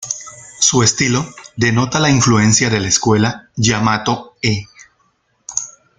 Su estilo denota la influencia de la escuela Yamato-e.